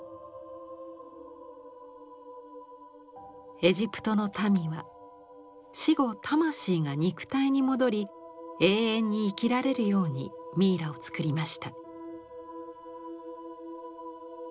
エジプトの民は死後魂が肉体に戻り永遠に生きられるようにミイラを作りました。